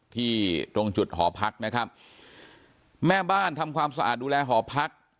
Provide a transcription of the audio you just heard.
ตรงจุดหอพักนะครับแม่บ้านทำความสะอาดดูแลหอพัก